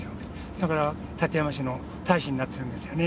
だから館山市の大使になってるんですよね。